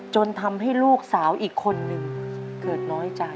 จนทำให้ลูกสาวอีกคนนึงเกิดน้อยใจ